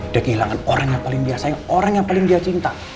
dia kehilangan orang yang paling biasanya orang yang paling dia cinta